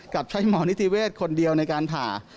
ใช้หมอนิติเวศคนเดียวในการผ่า